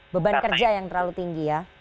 beban kerja yang terlalu tinggi ya